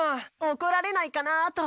おこられないかなと。